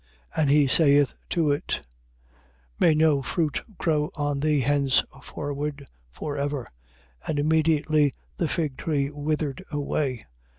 And he saith to it: May no fruit grow on thee henceforward for ever. And immediately the fig tree withered away.